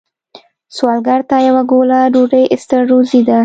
سوالګر ته یوه ګوله ډوډۍ ستر روزی ده